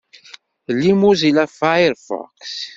Lli Mozilla Firefox.